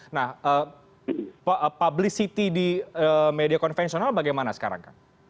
nah publicity di media konvensional bagaimana sekarang